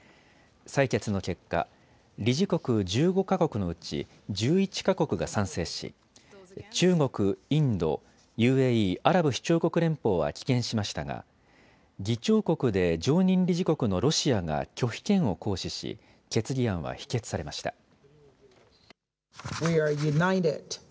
採決の結果、理事国１５か国のうち１１か国が賛成し、中国、インド、ＵＡＥ・アラブ首長国連邦は棄権しましたが議長国で常任理事国のロシアが拒否権を行使し決議案は否決されました。